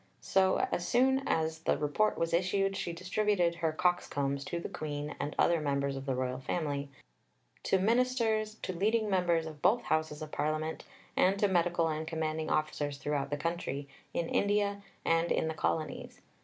So soon as the Report was issued, she distributed her Coxcombs to the Queen and other members of the Royal Family, to Ministers, to leading members of both Houses of Parliament, and to Medical and Commanding Officers throughout the country, in India and in the colonies.